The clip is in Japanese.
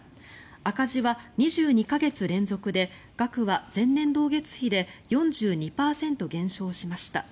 赤字は２２か月連続で額は前年同月比で４２％減少しました。